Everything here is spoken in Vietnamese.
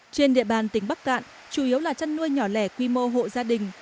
trên địa bàn tỉnh bắc cạn chủ yếu là chăn nuôi nhỏ lẻ quy mô hộ gia đình